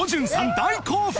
大興奮